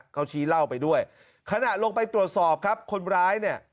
เขาชี้เล่าไปด้วยขณะลงไปตรวจสอบครับคนร้ายเนี่ย